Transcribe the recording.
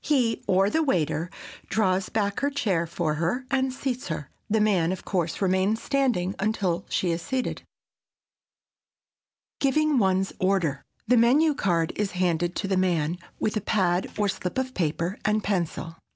He, or the waiter, draws back her chair for her and seats her. The man, of course, remains standing until she is seated. [Sidenote: GIVING ONE'S ORDER] The menu card is handed to the man, with a pad or slip of paper and pencil.